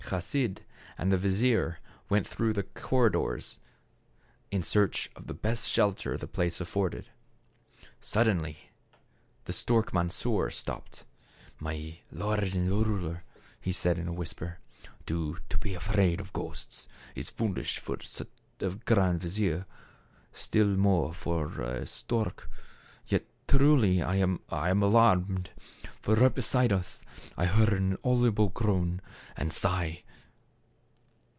Chasid and the vizier went through the corridors in search of the best shelter the place afforded. Suddenly the stork Mansor stopped. " My lord and ruler," he said in a whisper, " to be afraid of ghosts is foolish for a grand vizier, still more so for a stork ! Yet, truly, I am alar right beside us I heard an audible groan and sigh."